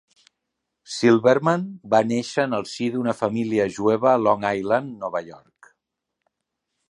Silverman va néixer en el si d'una família jueva a Long Island, Nova York.